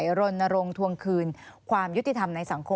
รณรงค์ทวงคืนความยุติธรรมในสังคม